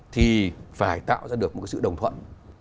thì phải tạo ra được một sự đồng thuận